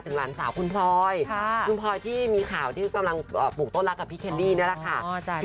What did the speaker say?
หลานสาวคุณพลอยคุณพลอยที่มีข่าวที่กำลังปลูกต้นรักกับพี่แคนดี้นี่แหละค่ะ